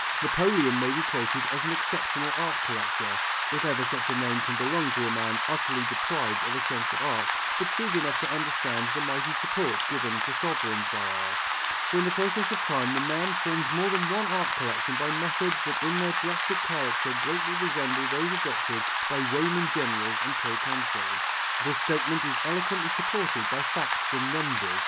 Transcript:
Napoleon may be quoted as an exceptional art collector if ever such a name can belong to a man utterly deprived of a sense of art but shrewd enough to understand the mighty support given to sovereigns by art for in the process of time the man formed more than one art collection by methods that in their drastic character greatly resembled those adopted by Roman generals and proconsuls. This statement is eloquently supported by facts and numbers.